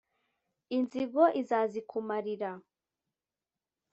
inzigo izazikumarira.